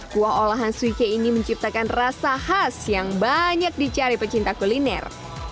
kuah olahan suike ini menciptakan rasa khas yang banyak dicari pecinta kuliner